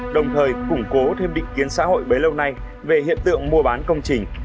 đồng thời củng cố thêm định kiến xã hội bấy lâu nay về hiện tượng mua bán công trình